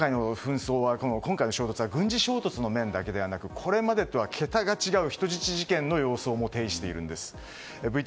今回の衝突は軍事衝突の面だけではなくこれまでとは桁が違う人質事件の様相を呈しています。